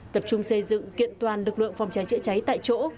tập trung xây dựng kiện toàn lực lượng phòng cháy chữa cháy tại chỗ